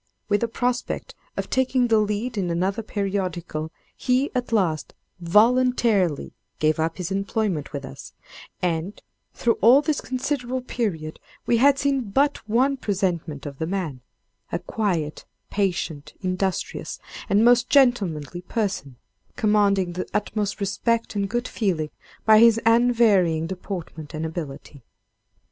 With a prospect of taking the lead in another periodical, he, at last, voluntarily gave up his employment with us, and, through all this considerable period, we had seen but one presentment of the man—a quiet, patient, industrious, and most gentlemanly person, commanding the utmost respect and good feeling by his unvarying deportment and ability.